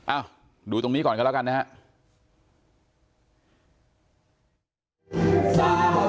อ้าวดูตรงนี้ก่อนกันแล้วกันนะฮะ